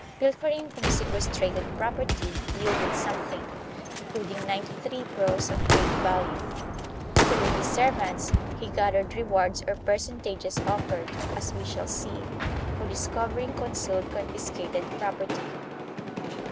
Pilfering from sequestrated property yielded something, including ninety three pearls of great value. Through his servants he gathered rewards or percentages offered, as we shall see, for discovering concealed confiscated property.